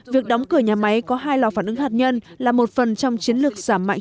việc đóng cửa nhà máy có hai lò phản ứng hạt nhân là một phần trong chiến lược giảm mạnh